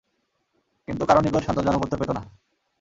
কিন্তু কারো নিকট সন্তোষজনক উত্তর পেত না।